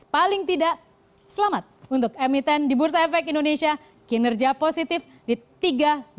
paling tidak selamat untuk me sepuluh di bursa efek indonesia kinerja positif di tiga tahun